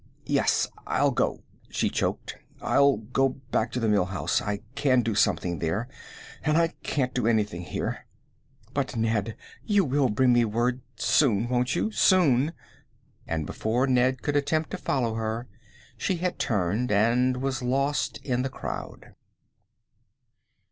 "Yes, I'll go," she choked. "I'll go back to the Mill House. I can do something there, and I can't do anything here. But, Ned, you will bring me word soon; won't you? soon!" And before Ned could attempt to follow her, she had turned and was lost in the crowd.